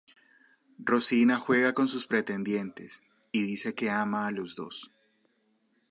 Rosina juega con sus pretendientes y dice que ama a los dos.